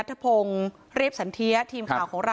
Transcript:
มาดูบรรจากาศมาดูความเคลื่อนไหวที่บริเวณหน้าสูตรการค้า